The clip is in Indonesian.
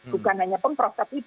bukan hanya pempros tapi